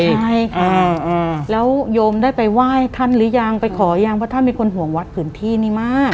ใช่ค่ะแล้วโยมได้ไปไหว้ท่านหรือยังไปขอยังเพราะท่านมีคนห่วงวัดพื้นที่นี้มาก